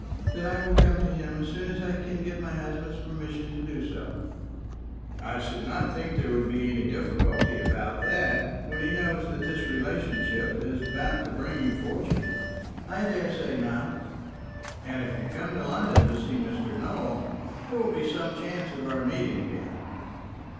"That I will come to him as soon as I can get my husband's permission to do so." "I should not think there would be any difficulty about that, when he knows that this relationship is likely to bring you fortune." "I daresay not." "And if you come to London to see Mr. Nowell, there will be some chance of our meeting again."